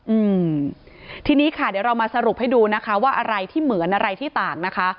อืมทีนี้ค่ะเดี๋ยวเรามาสรุปให้ดูนะคะว่าอะไรที่เหมือนอะไรที่ต่างนะคะ